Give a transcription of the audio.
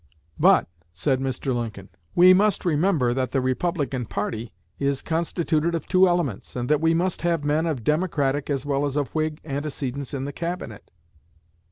'But,' said Mr. Lincoln, 'we must remember that the Republican party is constituted of two elements, and that we must have men of Democratic as well as of Whig antecedents in the Cabinet.'